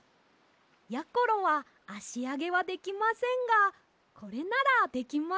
やころはあしあげはできませんがこれならできますよ。